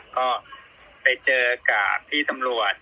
ก็ไปเจอกับพี่ตำรวจ